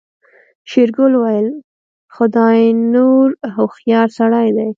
شېرګل وويل خداينور هوښيار سړی دی.